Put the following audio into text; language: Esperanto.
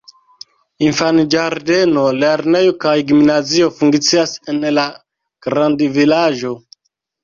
Infanĝardeno, lernejo kaj gimnazio funkcias en la grandvilaĝo.